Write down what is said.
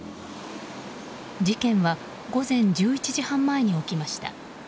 事件は午前１１時半前に起きました。